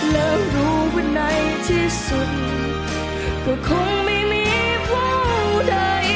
แล้วรู้ว่าในที่สุด